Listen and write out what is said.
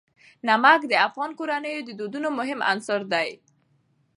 نمک د افغان کورنیو د دودونو مهم عنصر دی.